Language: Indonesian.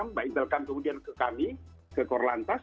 mbak intelkam kemudian ke kami ke korlantas